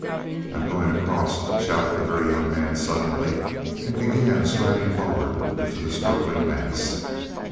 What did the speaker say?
"I'm going across," shouted the Very Young Man suddenly, and began striding forward into the struggling mass.